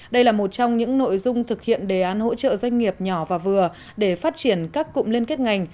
đây là một trong những nội dung thực hiện đề án hỗ trợ doanh nghiệp nhỏ và vừa để phát triển các cụm liên kết ngành